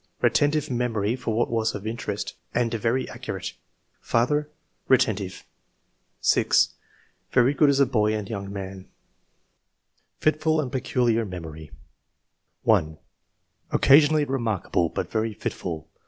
"Retentive memory for what was of in terest, and very accurate. " Father — Retentive." 6. "Very good as a boy and young man." ll« ENGLISTT MEN OF SCIENCE. [chap. Fitful and peculiar memory. 1. ''Occasionally remarkable, but very fitful.